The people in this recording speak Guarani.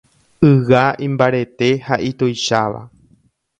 Yga imbarete ha ituicháva.